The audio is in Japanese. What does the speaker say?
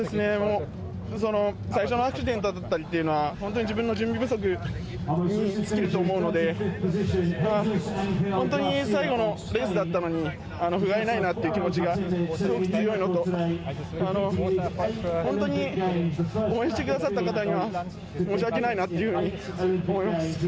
最初のアクシデントだったりというのは本当に自分の準備不足に尽きると思うので本当に最後のレースだったのにふがいないなという気持ちがすごく強いのと本当に応援してくださった方には申し訳ないなと思います。